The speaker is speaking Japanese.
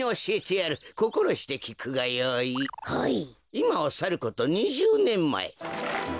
いまをさること２０ねんまえ